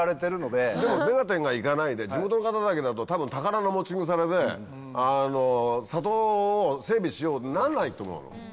でも『目がテン！』が行かないで地元の方だけだと多分宝の持ち腐れで「里を整備しよう」になんないと思うの。